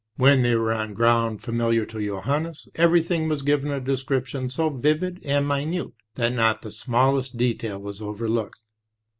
When they were on ground familiar to Johan nes, everything was given a description so vivid and minute that not the smallest detail was overlooked.